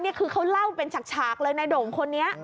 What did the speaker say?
นี่คือเขาเล่าเป็นฉากเลยนายโด่งคนนี้